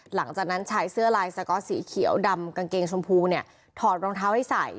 หลังจากนั้นชายเสื้อลายสก๊อตสีเขียวดำกางเกงชมพูเนี่ยถอดรองเท้าให้ใส่